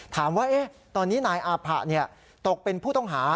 ถามว่าตอนนี้นายอาผะตกเป็นผู้ต้องหา